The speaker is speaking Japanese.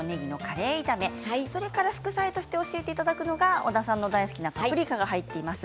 副菜として教えていただくのが小田さんが大好きなパプリカが入っています。